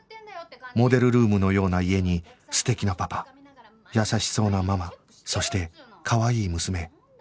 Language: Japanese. モデルルームのような家に素敵なパパ優しそうなママそしてかわいい娘